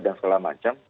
dan segala macam